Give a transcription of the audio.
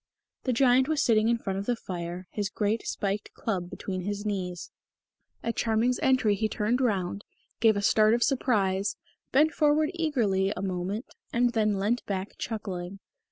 The Giant was sitting in front of the fire, his great spiked club between his knees. At Charming's entry he turned round, gave a start of surprise, bent forward eagerly a moment, and then leant back chuckling.